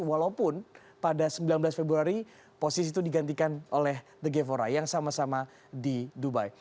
walaupun pada sembilan belas februari posisi itu digantikan oleh the gevora yang sama sama di dubai